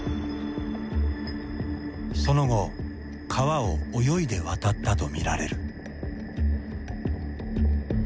その後川を泳いで渡ったとみられる。